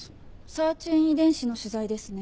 サーチュイン遺伝子の取材ですね。